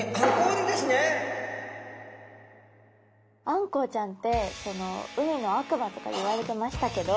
あんこうちゃんって海の悪魔とかいわれてましたけど。